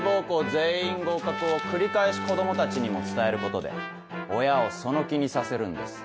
全員合格を繰り返し子供たちにも伝えることで親をその気にさせるんです。